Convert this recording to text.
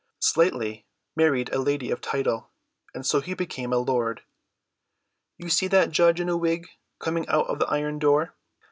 Slightly married a lady of title, and so he became a lord. You see that judge in a wig coming out at the iron door?